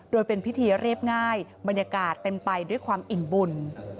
โดยเป็นพิธีเรียบง่ายบรรยากาศเต็มไปด้วยความอิ่มบุญ